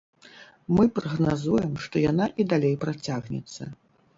Мы прагназуем, што яна і далей працягнецца.